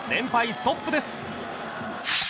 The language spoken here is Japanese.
ストップです。